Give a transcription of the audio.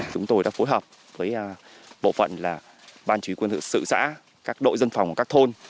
chúng tôi đã phối hợp với bộ phận là ban chủ yếu quân sự xã các đội dân phòng của các thôn